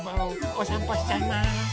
おさんぽしちゃいます。